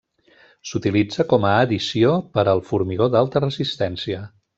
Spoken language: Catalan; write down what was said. S'utilitza com a addició per al formigó d'alta resistència.